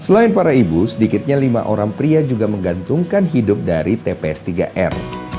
selain para ibu sedikitnya lima orang pria juga menggantungkan hidup dari tps tiga r